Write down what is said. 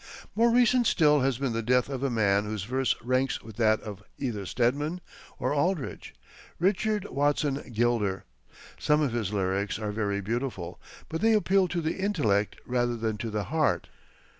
More recent still has been the death of a man whose verse ranks with that of either Stedman or Aldrich Richard Watson Gilder. Some of his lyrics are very beautiful, but they appeal to the intellect rather than to the heart.